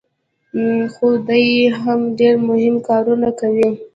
خو دی هم ډېر مهم کارونه کوي.